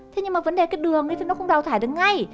thế nhưng mà vấn đề cái đường này thì nó không đào thải được ngay